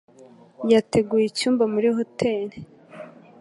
Yateguye icyumba muri hoteri.